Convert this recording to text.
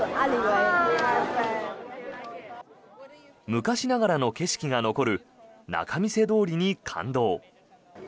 昔ながらの景色が残る仲見世通りに感動。